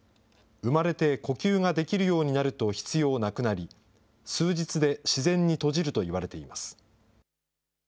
生まれて呼吸ができるようになると必要なくなり、数日で自然に閉じるといわれています。